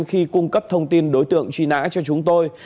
khi cung cấp thông tin đối tượng truy nã cho chúng tôi